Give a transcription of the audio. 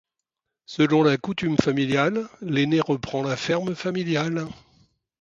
Selon la coutume familiale, l'aîné reprend la ferme familiale.